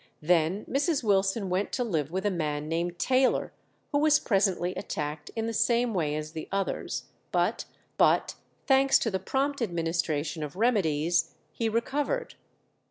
Then Mrs. Wilson went to live with a man named Taylor, who was presently attacked in the same way as the others, but, thanks to the prompt administration of remedies, he recovered.